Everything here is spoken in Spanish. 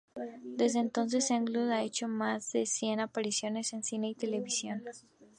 Desde entonces, Englund ha hecho más de cien apariciones en cine y televisión.